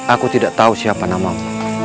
aku tidak tahu siapa namamu